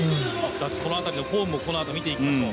その辺りのフォームも、見ていきましょう。